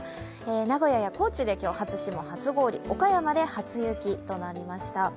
名古屋や高知で今日、初霜・初氷、岡山で初雪となりました。